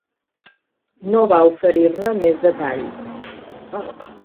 No va oferir-ne més detalls.